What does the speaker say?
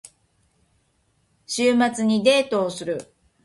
週末にデートをする。